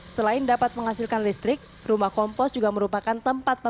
selain dapat menghasilkan listrik rumah kompos juga merupakan tempat